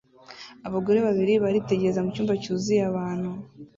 Abagore babiri baritegereza mu cyumba cyuzuye abantu